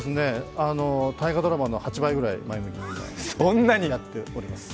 大河ドラマの８倍ぐらい前向きにやっております。